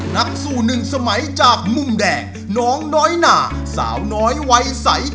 นักสู้หนึ่งสมัยจากมุมแดงน้องน้อยหนาสาวน้อยวัยใส